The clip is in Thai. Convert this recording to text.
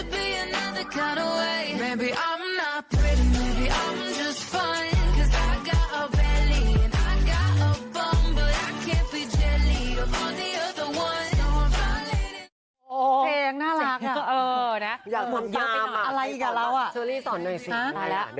เพลงน่ารักน่ะอยากทำตามอ่ะชุอรี่สอนหน่อยสิ